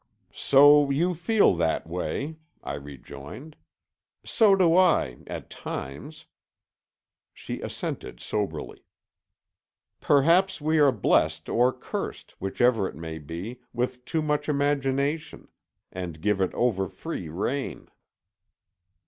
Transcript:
"So you feel that way," I rejoined. "So do I, at times." She assented soberly. "Perhaps we are blessed or cursed, whichever it may be, with too much imagination; and give it overfree rein."